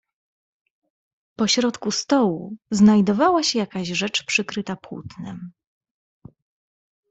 "Po środku stołu znajdowała się jakaś rzecz, przykryta płótnem."